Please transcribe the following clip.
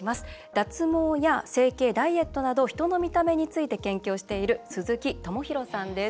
脱毛や整形、ダイエットなど人の見た目について研究をしている鈴木公啓さんです。